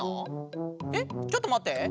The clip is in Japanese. えっちょっとまって。